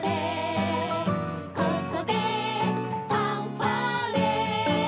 「ここでファンファーレ」